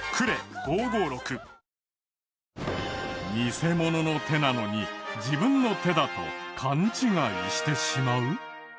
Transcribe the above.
偽物の手なのに自分の手だと勘違いしてしまう？